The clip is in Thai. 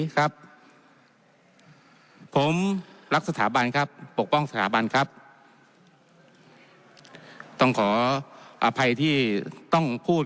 ครับผมรักสถาบันครับปกป้องสถาบันครับต้องขออภัยที่ต้องพูด